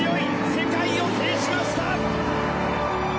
世界を制しました！